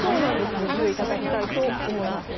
ご注意いただきたいと思います。